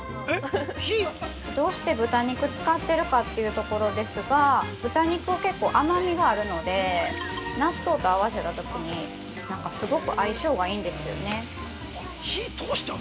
◆どうして豚肉を使っているかというところですが、豚肉は結構甘みがあるので納豆と合わせたときに、なんかすごく相性がいいんですよね。